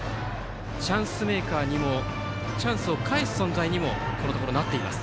チャンスを返す存在にもチャンスメーカーにもこのところなっています。